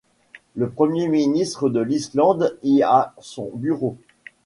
Le Premier ministre de l'Islande y a son bureau.